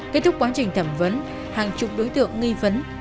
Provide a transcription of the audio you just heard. kết thúc quá trình thẩm vấn hàng chục đối tượng nghi vấn